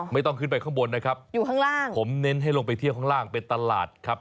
ไม่ต้องขึ้นไปข้างบนนะครับอยู่ข้างล่างผมเน้นให้ลงไปเที่ยวข้างล่างเป็นตลาดครับ